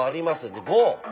で５。